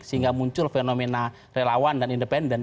sehingga muncul fenomena relawan dan independen